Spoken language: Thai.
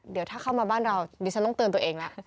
เดี๋ยวถ้าเข้ามาบ้านเราดิฉันต้องเตือนตัวเองแล้ว